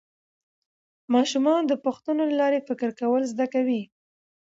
ماشومان د پوښتنو له لارې فکر کول زده کوي